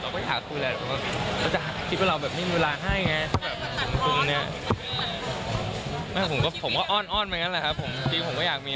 บ๊วยแบบมั่นใจว่าผู้ชายอะไรอะไรคนเนี้ยผมเปิดแน่นอน